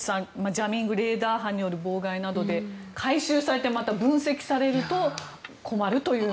ジャミングレーダー波による妨害などで回収されてまた分析されると困るという。